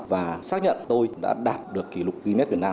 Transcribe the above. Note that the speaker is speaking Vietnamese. và xác nhận tôi đã đạt được kỷ lục gunet việt nam